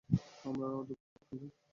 আমরা দুঃখিত, বন্ধু।